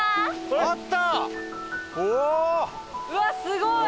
うわっすごい！